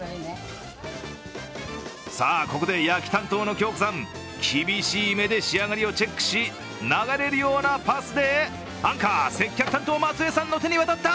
ここで焼き担当の京子さん、厳しい目で仕上がりをチェックし流れるようなパスで、アンカー・接客担当、マツエさんの手に渡った。